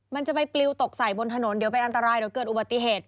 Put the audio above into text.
มันจะไปปลิวตกใส่บนถนนเดี๋ยวเป็นอันตรายเดี๋ยวเกิดอุบัติเหตุ